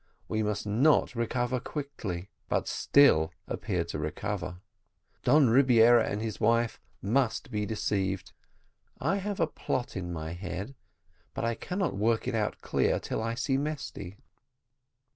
We must not recover quickly, but still appear to recover. Don Rebiera and his wife must be deceived. I have a plot in my head, but I cannot work it out clear until I see Mesty."